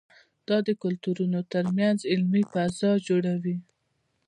دا د کلتورونو ترمنځ علمي فضا جوړوي.